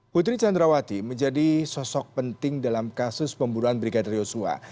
putri candrawati menjadi sosok penting dalam kasus pembunuhan brigadir yosua